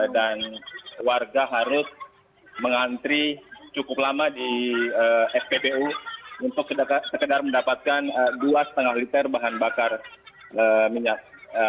dan warga harus mengantri cukup lama di fppu untuk sekedar mendapatkan dua lima liter bahan bakar minyak